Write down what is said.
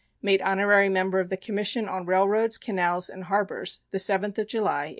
Made Honorary Member of the Commission on Railroads, Canals, and Harbors, the 7th of July, 1899.